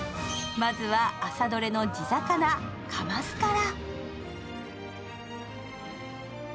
まずは朝どれの地魚・かますから。